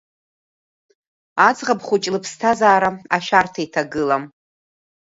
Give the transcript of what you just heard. Аӡӷаб хәыҷы лыԥсҭазаара ашәарҭа иҭагылам.